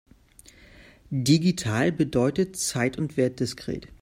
Digital bedeutet zeit- und wertdiskret.